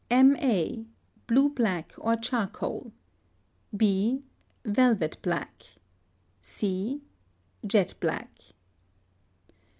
M. a. Blue black or charcoal. b. Velvet black. c. Jet black.